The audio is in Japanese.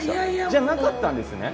じゃなかったんですね。